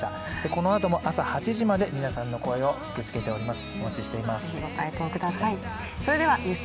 このあとも朝８時まで皆さんの声を受け付けております。